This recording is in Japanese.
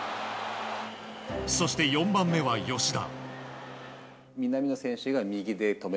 そして、４番目は吉田。